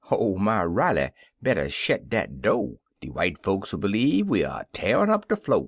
Ho my Riley ! better shet dat do' — De w'ite folks 'II b'leeve we er t'arin' up de flo'.